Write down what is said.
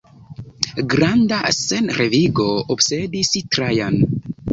Granda senrevigo obsedis Trajan.